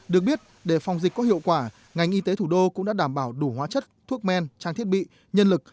được biết để phòng dịch có hiệu quả ngành y tế thủ đô cũng đã đảm bảo đủ hóa chất thuốc men trang thiết bị nhân lực